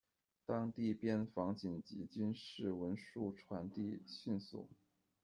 当地边防紧急，军事文书传递迅速。